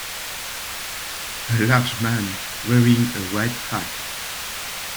A large man wearing a white hat.